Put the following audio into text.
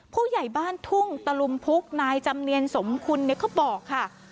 ผู้ใหญ่บ้านทุ่งตะลุมพุกนายจำเนียนสมคุณเนี่ยเขาบอกค่ะ